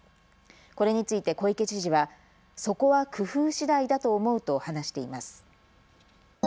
これについて小池知事はそこは工夫しだいだと思うと話しています。